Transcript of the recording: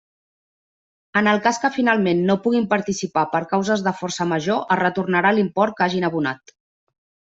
En el cas que finalment no puguin participar per causes de força major es retornarà l'import que hagin abonat.